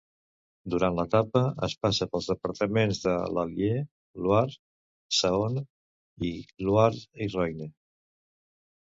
Durant l'etapa es passa pels departaments de l'Allier, Loira, Saona i Loira i Roine.